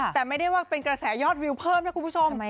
แต่ไม่ได้ว่าเป็นกระแสยอดวิวเพิ่มนะคุณผู้ชม